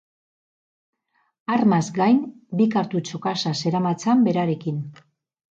Armaz gain, bi kartutxo kaxa zeramatzan berarekin.